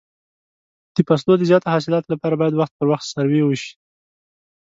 د فصلو د زیاتو حاصلاتو لپاره باید وخت پر وخت سروې وشي.